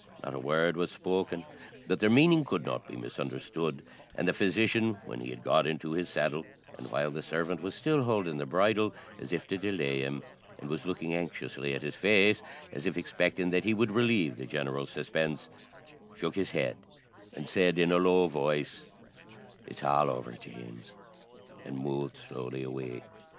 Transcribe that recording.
Not a word was spoken, but their meaning could not be misunderstood; and the physician, when he had got into his saddle, and while the servant was still holding the bridle as if to delay him, and was looking anxiously at his face as if expecting that he would relieve the general suspense, shook his head, and said in a low voice, "It's all over, James;" and moved slowly away.